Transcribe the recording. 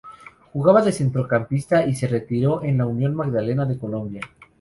Jugaba de Centrocampista y se retiró en el Unión Magdalena de Colombia.